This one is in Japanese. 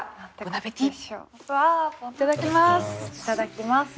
わあいただきます。